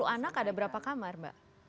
sepuluh anak ada berapa kamar mbak